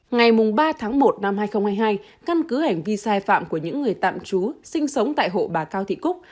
ngày ba tháng một năm hai nghìn hai mươi hai căn cứ hành vi sai phạm của những người tạm trú sinh sống tại hộ bà cao thị cúc